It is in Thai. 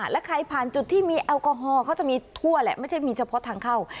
และใครผ่านจุดที่มีแอลกอฮอลเขาจะมีทั่วแหละไม่ใช่มีเฉพาะทางเข้า